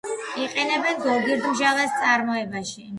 იყენებენ გოგირდმჟავას წარმოებაში.